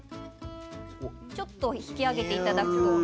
ちょっと引き上げていただくと。